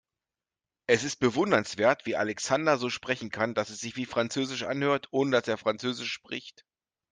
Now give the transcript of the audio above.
Es ist bewundernswert, wie Alexander so sprechen kann, dass es sich wie französisch anhört, ohne dass er französisch spricht.